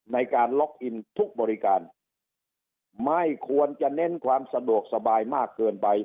ในการล็อกอินทุกบริการไม่ควรจะเน้นความสะดวกสบายมากเกินไป